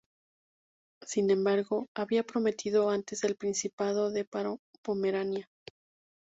Sin embargo, había prometido antes el principado de Pomerania.